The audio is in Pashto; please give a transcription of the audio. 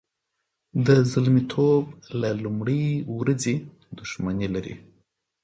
د زلمیتوب له لومړۍ ورځې دښمني لري.